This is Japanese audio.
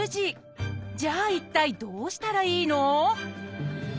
じゃあ一体どうしたらいいの？